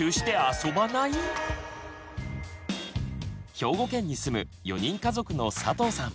兵庫県に住む４人家族の佐藤さん。